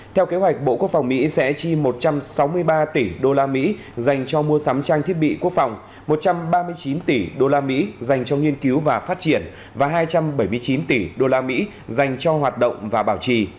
theo kế hoạch bộ quốc phòng mỹ sẽ chi một trăm sáu mươi ba tỷ usd dành cho mua sắm trang thiết bị quốc phòng một trăm ba mươi chín tỷ usd dành cho nghiên cứu và phát triển và hai trăm bảy mươi chín tỷ usd dành cho hoạt động và bảo trì